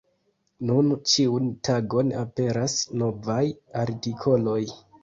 Nun ĉiun tagon aperas novaj artikoloj.